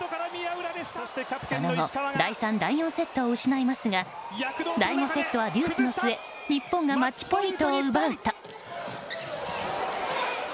その後第３、第４セットを失いますが第５セットはデュースの末日本がマッチポイントを奪うと。